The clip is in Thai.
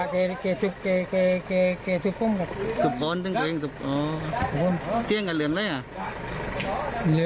เหลืองม้ากุ้งอีกทางกุ้งอย่างนี้จะไฟเป้หนี้